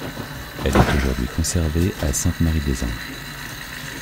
Elle est aujourd’hui conservée à Sainte-Marie-des-Anges.